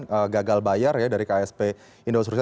dan gagal bayar ya dari ksp indosuria